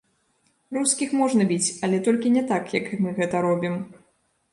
Рускіх можна біць, але толькі не так, як мы гэта робім.